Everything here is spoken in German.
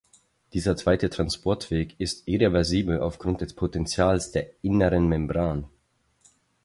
Dieser zweite Transportweg ist irreversibel aufgrund des Potenzials der inneren Membran.